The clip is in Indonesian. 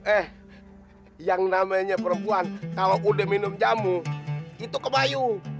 eh yang namanya perempuan kalau udah minum jamu itu kebayu